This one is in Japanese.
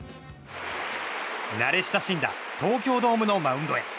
慣れ親しんだ東京ドームのマウンドへ。